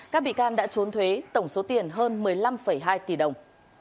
các bị can đã trốn thuế tổng số tiền hơn một mươi năm hai tỷ đồng